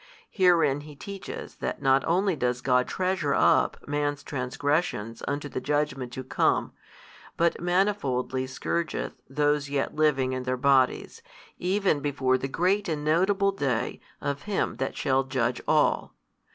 Herein He teaches that not only does God treasure wp man's transgressions unto the judgment to come, but manifoldly scourgeth those yet living in their bodies, even before the great and notable day of Him. That shall judge all.